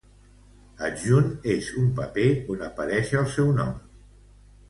Adjunt és un paper on apareix el seu nom.